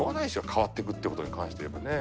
変わっていくっていう事に関していえばね。